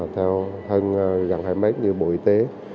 theo thân gần hải mát như bộ y tế